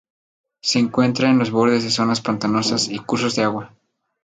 Se encuentra en los bordes de zonas pantanosas y cursos de agua.